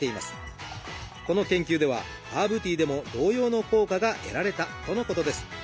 この研究ではハーブティーでも同様の効果が得られたとのことです。